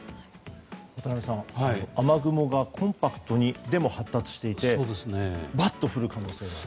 渡辺さん雨雲がコンパクトにでも発達していてばっと降る可能性がある。